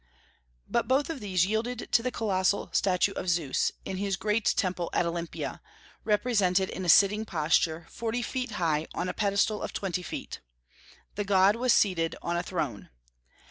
But both of these yielded to the colossal statue of Zeus in his great temple at Olympia, represented in a sitting posture, forty feet high, on a pedestal of twenty feet. The god was seated on a throne.